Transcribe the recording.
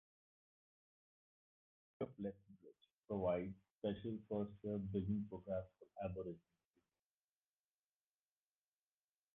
The University of Lethbridge provides special first-year bridging programs for Aboriginal students.